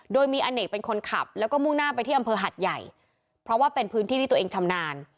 โดยมีอเนกเป็นคนขับแล้วก็มุ่งหน้าไปที่อำเภอหัดใหญ่เพราะว่าเป็นพื้นที่ที่ตัวเองชำนาญ